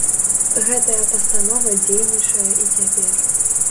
Гэтая пастанова дзейнічае і цяпер.